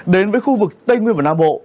đến với khu vực tây nguyên và nam bộ